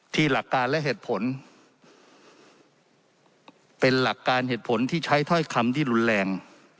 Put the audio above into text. หลักการและเหตุผลเป็นหลักการเหตุผลที่ใช้ถ้อยคำที่รุนแรง